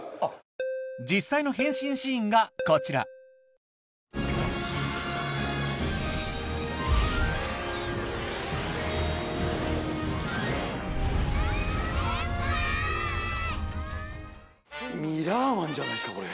実際の変身シーンがこちらミラーマンじゃないですかこれ。